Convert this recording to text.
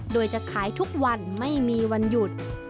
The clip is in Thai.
โดยจะขายทุกวันไม่มีวันหยุด